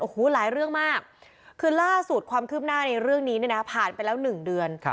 คือล่าสุดความทึ่บหน้าในเรื่องนี่เนี่ยนะผ่านไปแล้ว๑เดือน